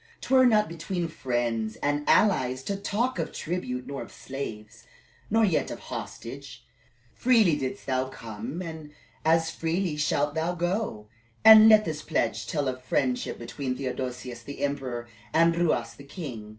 "'T were not between friends and allies to talk of tribute, nor of slaves, nor yet of hostage. Freely did'st thou come and as freely shalt thou go; and let this pledge tell of friendship between Theodosius the emperor and Ruas the king."